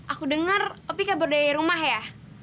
aku dengar opi kabar dari rumah ya